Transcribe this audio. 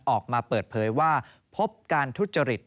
ออกมาเปิดเผยว่าพบการทุจริต